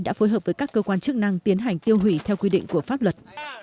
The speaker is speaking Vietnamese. đã phối hợp với các cơ quan chức năng tiến hành tiêu hủy theo quy định của pháp luật